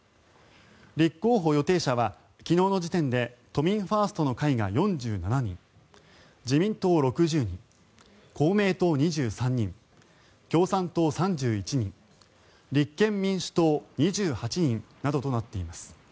立候補予定者は昨日の時点で都民ファーストの会が４７人自民党、６０人公明党、２３人共産党、３１人立憲民主党、２８人などとなっています。